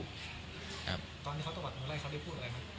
ตอนนี้เขาตะวัดมือไล่เขาได้พูดอะไรไหม